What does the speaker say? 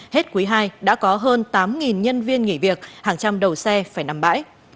hết quý ii đã có hơn tám nhân viên nghỉ việc hàng trăm đầu xe phải nằm bãi